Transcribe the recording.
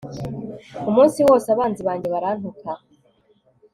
umunsi wose abanzi banjye barantuka